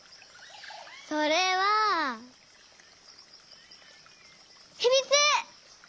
それはひみつ！